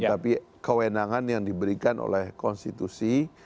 tapi kewenangan yang diberikan oleh konstitusi